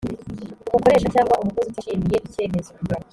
umukoresha cyangwa umukozi utishimiye icyemezo